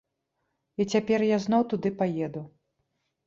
І цяпер я зноў туды паеду.